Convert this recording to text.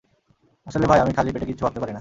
আসলে ভাই, আমি খালি পেটে কিচ্ছু ভাবতে পারি নাহ।